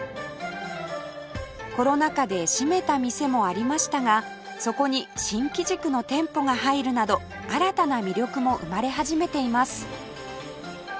コロナ禍で閉めた店もありましたがそこに新機軸の店舗が入るなど新たな魅力も生まれ始めています